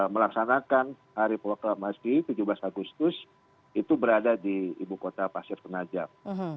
melaksanakan hari proklamasi tujuh belas agustus itu berada di ibu kota pasir penajam